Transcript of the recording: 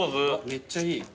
めっちゃいい。